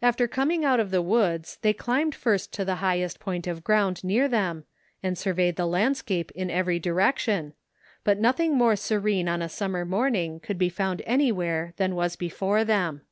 After coming out of the woods they climbed first to the highest point of ground near them and surveyed the landscape in every direction, but nothing more serene on a summer morning could be found anjrwhere than was before them.